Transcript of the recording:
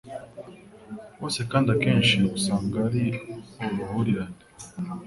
bose kandi akenshi usanga ari uruhurirane.